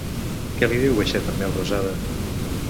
Què li diu baixet en Melrosada?